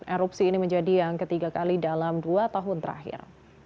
erupsi ini menjadi yang ketiga kali dalam dua tahun terakhir